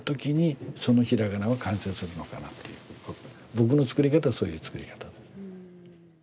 僕の作り方はそういう作り方。